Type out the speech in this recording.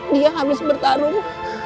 dia habis bertarung